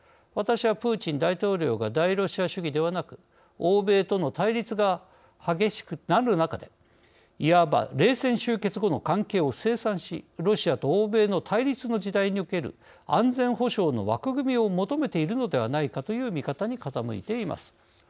私はプーチン大統領が大ロシア主義ではなく欧米との対立が激しくなるなかでいわば冷戦終結後の関係を清算しロシアと欧米の対立の時代における安全保障の枠組みを求めているのではないかという見方に傾いています。